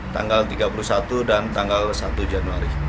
tanggal tiga puluh satu dan tanggal satu januari